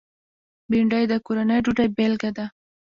بېنډۍ د کورني ډوډۍ بېلګه ده